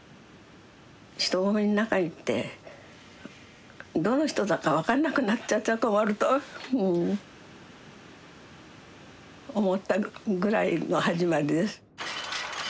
人混みの中に行ってどの人だか分かんなくなっちゃったら困ると思ったぐらいの始まりです。